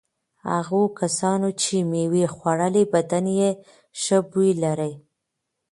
هغو کسانو چې مېوه خوړلي بدن یې ښه بوی لري.